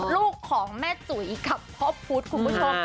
ลูกของแม่จุ๋ยกับพ่อพุทธคุณผู้ชม